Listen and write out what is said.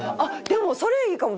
でもそれいいかも！